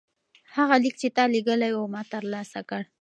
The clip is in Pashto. هغه لیک چې تا لیږلی و ما ترلاسه کړ.